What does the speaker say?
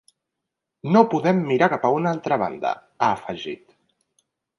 “No podem mirar cap a una altra banda”, ha afegit.